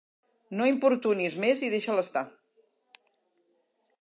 No l'importunis més i deixa'l estar.